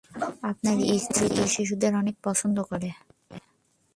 আপনার স্ত্রী তো শিশুদের অনেক পছন্দ করে।